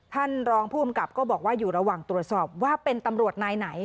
ท่านรองผู้กำกับก็บอกว่าอยู่ระหว่างตรวจสอบว่าเป็นตำรวจนายไหน